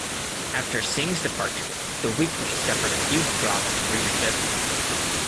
After Singh's departure, the weekly suffered a huge drop in readership.